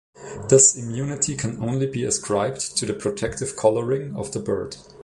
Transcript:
This immunity can only be ascribed to the protective coloring of the bird.